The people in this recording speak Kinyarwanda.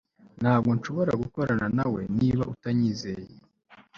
Ntabwo nshobora gukorana nawe niba utanyizeye